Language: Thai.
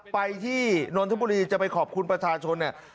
ไปที่นทบุรีจะไปขอบคุณประชาชน